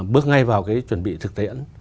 bước ngay vào cái chuẩn bị thực tiễn